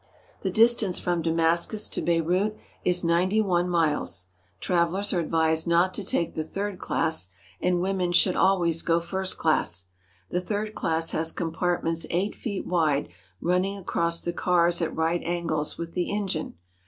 The distance from Damascus to Beirut is ninety one miles. Travellers are advised not to take the third class, and women should always go first class. The third class has compartments eight feet wide running across the cars at right angles with the engine.